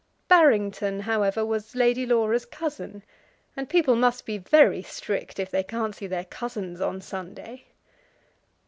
Barrington, however, was Lady Laura's cousin, and people must be very strict if they can't see their cousins on Sunday.